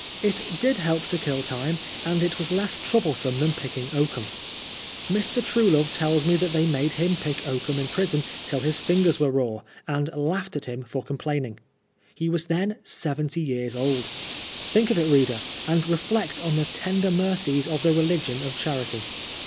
It did help to kill time, and it was less troublesome than pickiBg oaknm. Mr. Traelove tells me that thej made him pick oakum in prison till his fingers were raw, and laughed at him for complaining. He was then seventy years old 1 Think of it, reader, and reflect on the tender mercies of the religion of ohsurity.